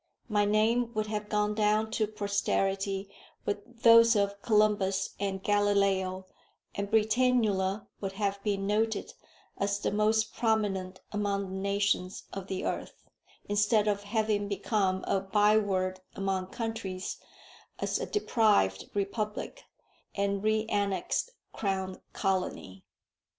My name would have gone down to posterity with those of Columbus and Galileo, and Britannula would have been noted as the most prominent among the nations of the earth, instead of having become a by word among countries as a deprived republic and reannexed Crown colony.